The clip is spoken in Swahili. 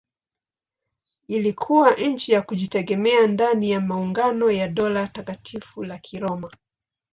Ilikuwa nchi ya kujitegemea ndani ya maungano ya Dola Takatifu la Kiroma.